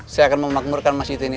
saya akan memakmurkan masjid ini